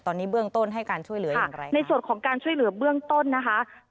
ตอนนี้เบื้องต้นให้การช่วยเหลืออย่างไรในส่วนของการช่วยเหลือเบื้องต้นนะคะ